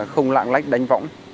không lạng lách đánh võng